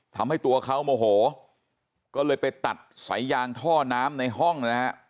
ทำให้ตัวเขาโมโหก็เลยไปตัดสายยางท่อน้ำในห้องนะฮะ